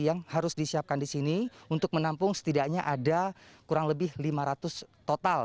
yang harus disiapkan di sini untuk menampung setidaknya ada kurang lebih lima ratus total